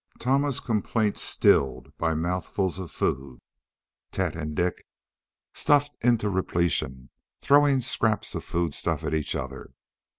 Tama's complaints stilled by mouthfuls of food. Tet and Dik, stuffed to repletion, throwing scraps of foodstuff at each other.